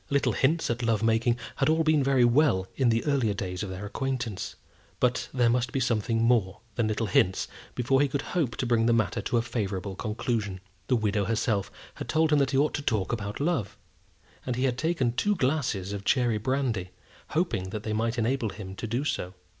Little hints at love making had been all very well in the earlier days of their acquaintance; but there must be something more than little hints before he could hope to bring the matter to a favourable conclusion. The widow herself had told him that he ought to talk about love; and he had taken two glasses of cherry brandy, hoping that they might enable him to do so.